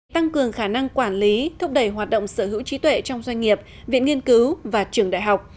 tăng cường khả năng quản lý thúc đẩy hoạt động sở hữu trí tuệ trong doanh nghiệp viện nghiên cứu và trường đại học